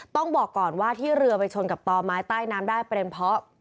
ต้องบอกก่อนว่าที่เรือไปชนกับต่อไม้ใต้น้ำได้เป็นเพราะ